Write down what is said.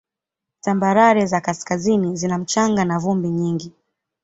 Tambarare za kaskazini zina mchanga na vumbi nyingi.